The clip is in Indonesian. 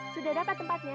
sudah dapat tempatnya